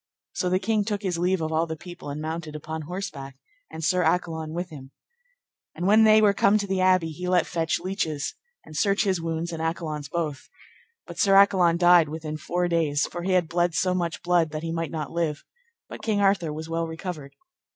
So the king took his leave of all the people, and mounted upon horseback, and Sir Accolon with him. And when they were come to the abbey, he let fetch leeches and search his wounds and Accolon's both; but Sir Accolon died within four days, for he had bled so much blood that he might not live, but King Arthur was well recovered.